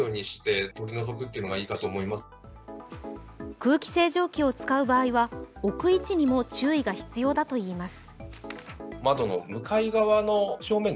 空気清浄機を使う場合は置く位置にも注意が必要だといいます。